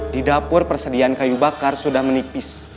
di dapur persediaan kayu bakar sudah menipis